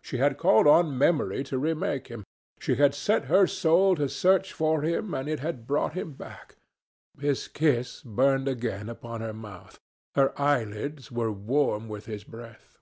She had called on memory to remake him. She had sent her soul to search for him, and it had brought him back. His kiss burned again upon her mouth. Her eyelids were warm with his breath.